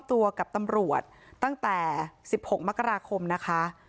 ตัวกับตำรวจตั้งแต่๑๖มกราคมนะคะ